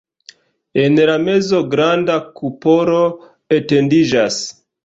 En la mezo granda kupolo etendiĝas.